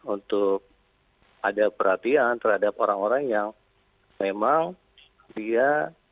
untuk ada perhatian terhadap orang orang yang memang dia